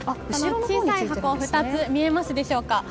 小さい箱２つ見えますでしょうか。